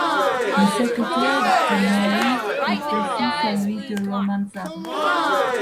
Le secrétaire de mairie est aussi celui de Romanzado.